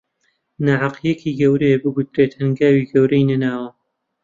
ناهەقییەکی گەورەیە بگوترێت هەنگاوی گەورەی نەناوە